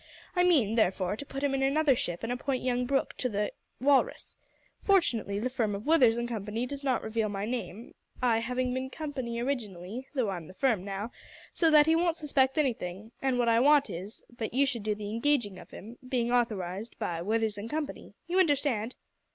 I mean, therefore, to put him in another ship and appoint young Brooke to the Walrus. Fortunately the firm of Withers and Company does not reveal my name I having been Company originally, though I'm the firm now, so that he won't suspect anything, and what I want is, that you should do the engaging of him being authorised by Withers and Company you understand?"